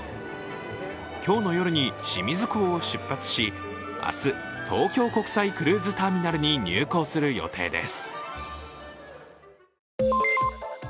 今日の夜に清水港を出発し明日、東京国際クルーズターミナルに入港する予定です。